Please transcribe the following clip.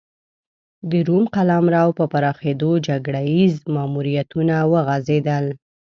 د روم قلمرو په پراخېدو جګړه ییز ماموریتونه وغځېدل